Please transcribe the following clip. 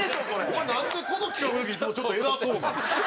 お前なんでこの企画の時いつもちょっと偉そうなん？